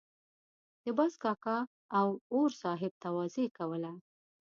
د باز کاکا او اور صاحب تواضع کوله.